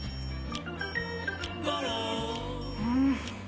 うん！